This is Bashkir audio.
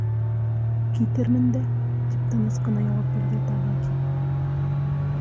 — Китермен дә... — тип тыныс ҡына яуап бирҙе Табаки.